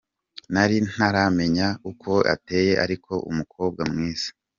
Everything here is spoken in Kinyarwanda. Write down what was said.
Nari ntaramenya uko ateye ariko ni umukobwa mwiza”.